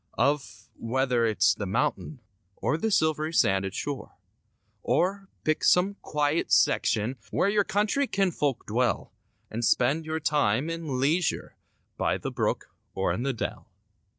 Of, whether it's the mountains Or the silv'ry sanded shore; Or, pick some quiet section Where your country kinfolk dwell And spend your time in leisure By the brook or in the dell.